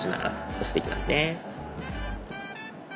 押していきますね。